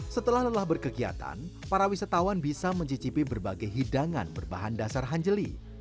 setelah lelah berkegiatan para wisatawan bisa mencicipi berbagai hidangan berbahan dasar hanjeli